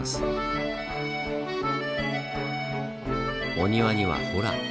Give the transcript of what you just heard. お庭にはほら！